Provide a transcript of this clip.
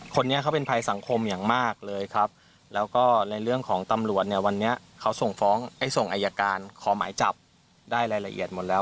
คนนี้เขาเป็นภัยสังคมอย่างมากเลยครับแล้วก็ในเรื่องของตำรวจเนี่ยวันนี้เขาส่งฟ้องส่งอายการขอหมายจับได้รายละเอียดหมดแล้ว